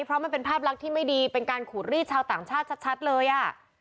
เพราะมันเป็นภาพลักษณ์ที่ไม่ดีเป็นการขูดรีดชาวต่างชาติชัดเลยอ่ะ